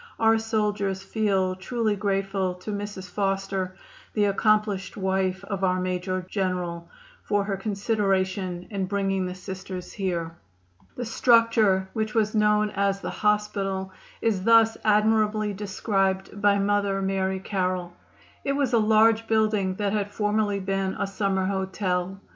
Our soldiers feel truly grateful to Mrs. Foster, the accomplished wife of our Major General, for her consideration in bringing the Sisters here." [Illustration: SISTERS OF SATTERLEE HOSPITAL.] The structure which was known as the "hospital" is thus admirably described by Mother Mary Carroll: "It was a large building that had formerly been a summer hotel.